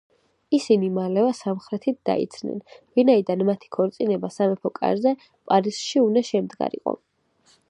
ისინი მალევე სამხრეთით დაიძრნენ, ვინაიდან მათი ქორწინება სამეფო კარზე, პარიზში უნდა შემდგარიყო.